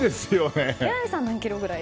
榎並さんは何キロぐらい？